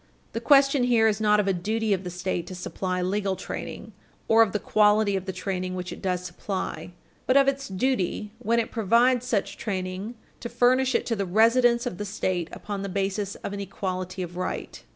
The question here is not of a duty of the State to supply legal training, or of the quality of the training which it does supply, but of its duty when it provides such training to furnish it to the residents of the State upon the basis of an equality of right.